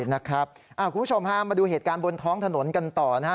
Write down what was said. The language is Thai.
คุณผู้ชมฮะมาดูเหตุการณ์บนท้องถนนกันต่อนะฮะ